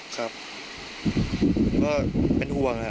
ก็เป็นห่วง